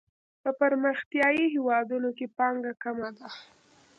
په پرمختیايي هیوادونو کې پانګه کمه ده.